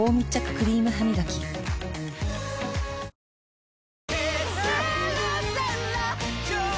クリームハミガキどうぞ。